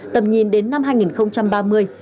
tầm nhìn đến năm hai nghìn ba mươi